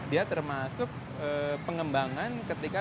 dia termasuk pengembangan ketika